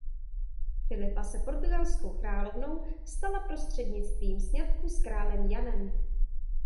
Filipa se portugalskou královnou stala prostřednictvím sňatku s králem Janem.